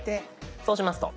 そうしますと。